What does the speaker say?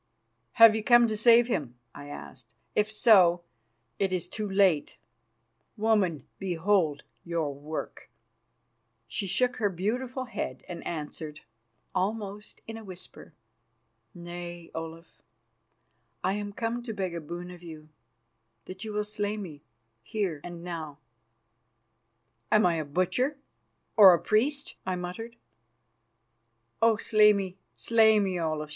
"Have you come to save him?" I asked. "If so, it is too late. Woman, behold your work." She shook her beautiful head and answered, almost in a whisper: "Nay, Olaf, I am come to beg a boon of you: that you will slay me, here and now." "Am I a butcher or a priest?" I muttered. "Oh, slay me, slay me, Olaf!"